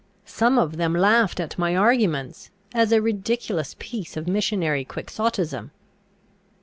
Some of them laughed at my arguments, as a ridiculous piece of missionary quixotism.